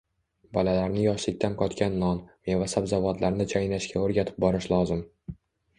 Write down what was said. Bolalarni yoshlikdan qotgan non, meva-sabzavotlarni chaynashga o‘rgatib borish lozim.